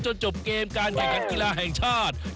จบเกมการแข่งขันกีฬาแห่งชาติ